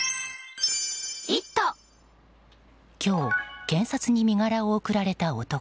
今日、検察に身柄を送られた男。